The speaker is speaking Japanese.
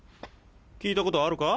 聞いたことあるか？